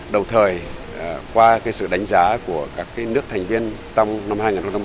đầu thời qua cái sự đánh giá của các nước thành viên trong năm hai nghìn một mươi sáu